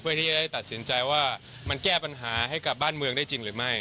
เพื่อที่จะได้ตัดสินใจว่ามันแก้ปัญหาให้กับบ้านเมืองได้จริงหรือไม่